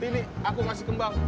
timi aku kasih kembang